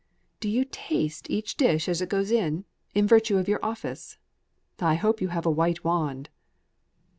"Do you taste each dish as it goes in, in virtue of your office? I hope you have a white wand."